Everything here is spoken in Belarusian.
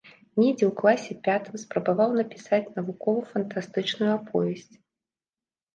Недзе ў класе пятым спрабаваў напісаць навукова-фантастычную аповесць.